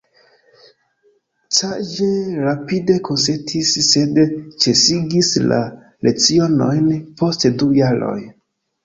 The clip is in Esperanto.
Cage rapide konsentis, sed ĉesigis la lecionojn post du jaroj.